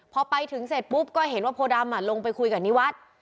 พอไปถึงเสร็จปุ๊บก็เห็นว่าโพดำลงไปคุยกับนิวัฒน์